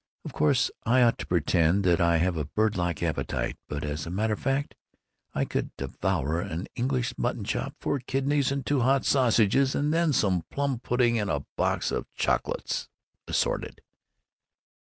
Of course I ought to pretend that I have a bird like appetite, but as a matter of fact I could devour an English mutton chop, four kidneys, and two hot sausages, and then some plum pudding and a box of chocolates, assorted."